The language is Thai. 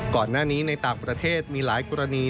ก่อนหน้านี้ในต่างประเทศมีหลายกรณี